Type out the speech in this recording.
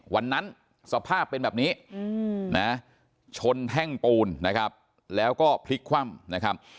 สภาพเป็นแบบนี้นะชนแท่งปูนนะครับแล้วก็พลิกคว่ำนะครับ